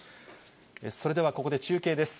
それではここで中継です。